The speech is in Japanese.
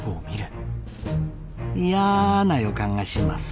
いやな予感がします。